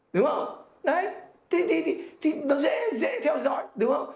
đúng không đấy thì nó dễ theo dõi đúng không